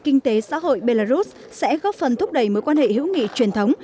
hình thế xã hội belarus sẽ góp phần thúc đẩy mối quan hệ hữu nghị truyền thống